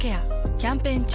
キャンペーン中。